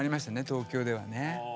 東京ではね。